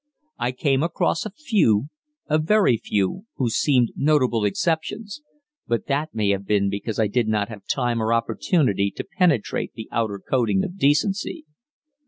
I came across a few a very few who seemed notable exceptions, but that may have been because I did not have time or opportunity to penetrate the outer coating of decency.